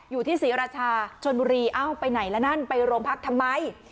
อยู่ที่ศรีราชาชนบุรีเอ้าไปไหนละนั่นไปโรงพักทำไม